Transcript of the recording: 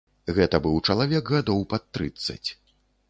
Гэта быў чалавек гадоў пад трыццаць.